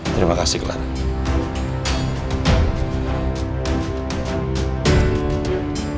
terima kasih clara